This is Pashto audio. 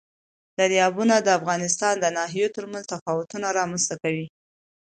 دریابونه د افغانستان د ناحیو ترمنځ تفاوتونه رامنځ ته کوي.